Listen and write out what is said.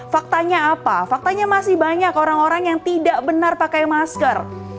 faktanya apa faktanya masih banyak orang orang yang tidak benar pakai masker